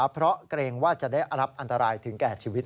เพราะเกรงว่าจะได้รับอันตรายถึงแก่ชีวิต